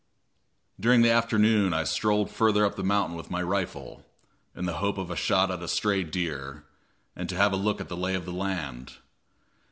During the afternoon I strolled further up the mountain with my rifle, in the hope of a shot at a stray deer, and to have a look at the lay of the land.